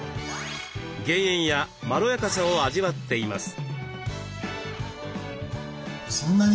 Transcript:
減塩やまろやかさを味わっています。